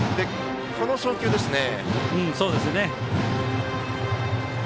この送球ですね。